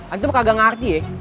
antum kagak ngerti ya